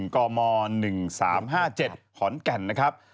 กม๑๓๕๗ขอนแก่นนะครับ